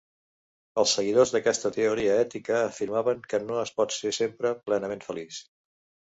Els seguidors d'aquesta teoria ètica afirmaven que no es pot ser sempre plenament feliç.